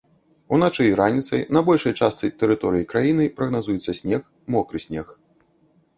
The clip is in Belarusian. Уначы і раніцай на большай частцы тэрыторыі краіны прагназуецца снег, мокры снег.